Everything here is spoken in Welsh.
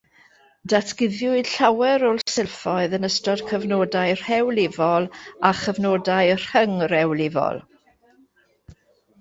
Datguddiwyd llawer o'r silffoedd yn ystod cyfnodau rhewlifol a chyfnodau rhyngrewlifol.